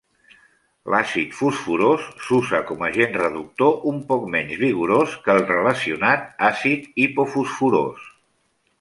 L'àcid fosforós s'usa com agent reductor un poc menys vigorós que el relacionat àcid hipofosforós.